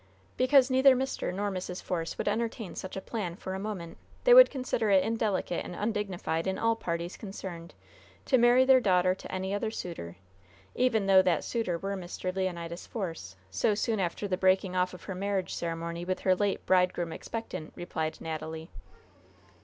"Because neither Mr. nor Mrs. Force would entertain such a plan for a moment. They would consider it indelicate and undignified in all parties concerned to marry their daughter to any other suitor, even though that suitor were Mr. Leonidas Force, so soon after the breaking off of her marriage ceremony with her late bridegroom expectant," replied Natalie.